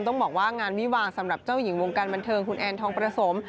ต้องบอกว่างานวิวาสำหรับเจ้าหญิงวงการบันเทิงคุณแอนทองประสม